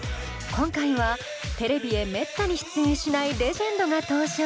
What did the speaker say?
今回はテレビへめったに出演しないレジェンドが登場。